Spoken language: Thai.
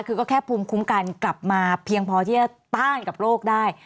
คือก็แค่ภูมิคุ้มกันกลับมาเพียงพอที่จะต้านกับโรคได้